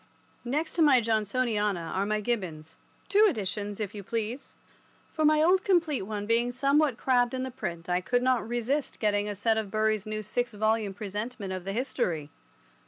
IV. Next to my Johnsoniana are my Gibbons—two editions, if you please, for my old complete one being somewhat crabbed in the print I could not resist getting a set of Bury's new six volume presentment of the History.